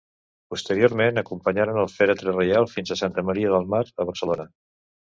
Posteriorment, acompanyaren el fèretre reial fins a Santa Maria del Mar a Barcelona.